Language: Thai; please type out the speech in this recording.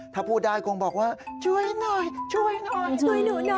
ถ้าพูดได้คงบอกว่าช่วยหน่อยช่วยหน่อย